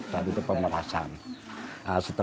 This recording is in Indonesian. nah itu pembersihan kandang dan melakukan penyujian pada kandang